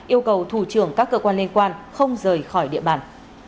yêu cầu thủ trưởng các cơ quan liên quan không rời khỏi địa bàn